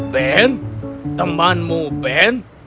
ben temanmu ben